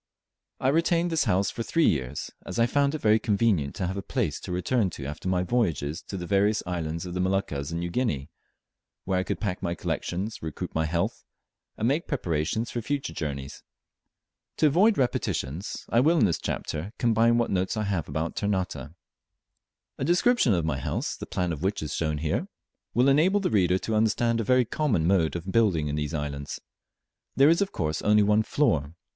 I retained this house for three years, as I found it very convenient to have a place to return to after my voyages to the various islands of the Moluccas and New Guinea, where I could pack my collections, recruit my health, and make preparations for future journeys. To avoid repetitions, I will in this chapter combine what notes I have about Ternate. A description of my house (the plan of which is here shown) will enable the reader to understand a very common mode of building in these islands. There is of course only one floor.